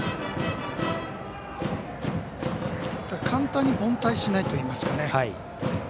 簡単に凡退しないといいますかね。